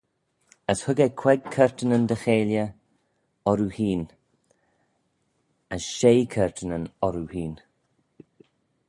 As hug eh queig curtanyn dy cheilley orroo hene, as shey curtanyn orroo hene.